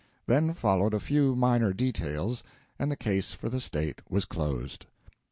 Then followed a few minor details, and the case for the State was closed.